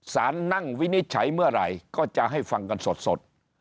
นั่งวินิจฉัยเมื่อไหร่ก็จะให้ฟังกันสด